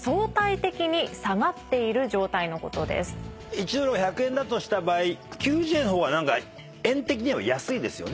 １ドルを１００円だとした場合９０円の方が円的には安いですよね。